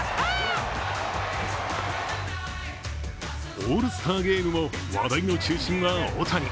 オールスターゲームも話題の中心は大谷。